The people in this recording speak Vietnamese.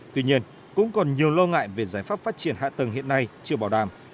tuy nhiên cũng còn nhiều lo ngại về giải pháp phát triển hạ tầng hiện nay chưa bảo đảm